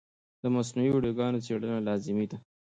د مصنوعي ویډیوګانو څېړنه لازمي ده.